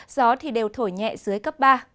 gió thì đều thổi nhẹ dưới cấp ba